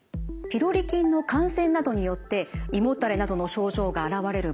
ピロリ菌の感染などによって胃もたれなどの症状が現れる場合